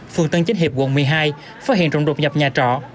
phường tân chánh hiệp quận một mươi hai phát hiện rộng rộng nhập nhà trọ